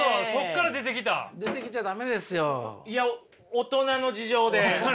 大人の事情で。